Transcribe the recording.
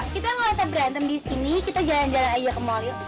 kita gak usah berantem di sini kita jalan jalan aja ke mall yuk